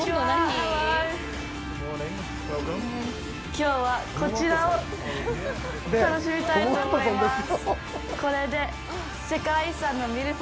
きょうは、こちらのセスナを楽しみたいと思います。